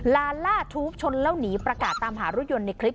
ลาล่าทูปชนแล้วหนีประกาศตามหารถยนต์ในคลิป